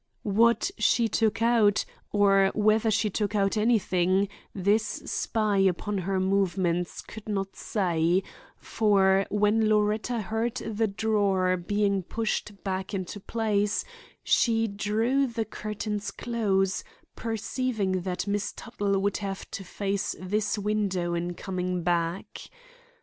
What she took out, or whether she took out anything, this spy upon her movements could not say, for when Loretta heard the drawer being pushed back into place she drew the curtains close, perceiving that Miss Tuttle would have to face this window in coming back.